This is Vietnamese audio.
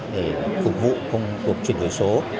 để phục vụ công cuộc chuyển đổi số